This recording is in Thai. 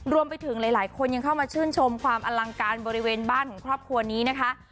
รวมไปถึงหลายคนยังเข้ามาชื่นชมความอลังการบริเวณบ้านของครอบครัวนี้นะคะ